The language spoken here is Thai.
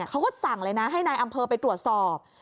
เขาก็สั่งเลยนะให้นายอำเภอไปตรวจสอบ